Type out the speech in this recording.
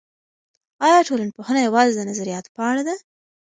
ایا ټولنپوهنه یوازې د نظریاتو په اړه ده؟